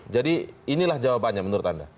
jadi inilah jawabannya menurut anda